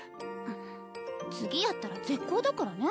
ん次やったら絶交だからね。